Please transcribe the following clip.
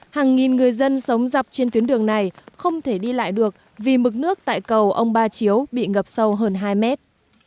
hàng nghìn người dân sống dọc trên tuyến đường này không thể đi lại được vì mực nước tại cầu ông ba chiếu bị ngập sâu hơn hai mét